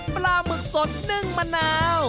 ปลาหมึกสดนึ่งมะนาว